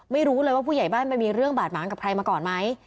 ไม่รู้เลยว่าผู้ใหญ่บ้านไปมีเรื่องบาดหมางกับใครมาก่อนไหม